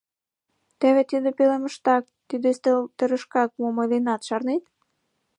Теве тиде пӧлемыштак, тиде ӱстелтӧрышкак мом ойленат, шарнет?